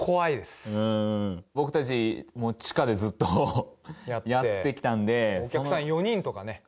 僕達もう地下でずっとやってきたんでお客さん４人とかね